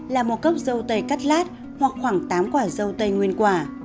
là một cốc dâu tây cắt lát hoặc khoảng tám quả dâu tây nguyên quả